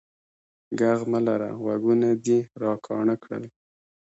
ږغ مه لره، غوږونه دي را کاڼه کړل.